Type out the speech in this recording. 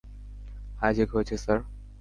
Hijack হয়েছে sir.